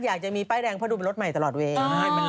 อยากจะมีป้ายแดงเพราะดูเป็นรถใหม่ตลอดเวลา